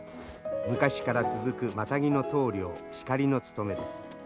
昔から続くマタギの統領シカリの務めです。